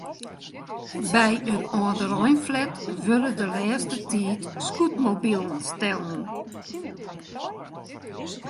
By in âldereinflat wurde de lêste tiid scootmobilen stellen.